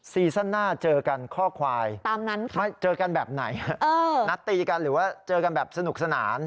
ซีซั่นหน้าเจอกันข้อควายเจอกันแบบไหนนัดตีกันหรือว่าเจอกันแบบสนุกสนาน